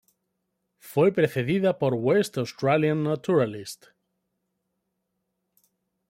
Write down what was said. Fue precedida por "West Australian Naturalist.